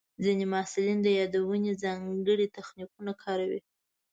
ځینې محصلین د یادونې ځانګړي تخنیکونه کاروي.